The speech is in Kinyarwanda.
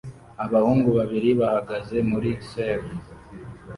Abahungu babiri bahagaze muri serf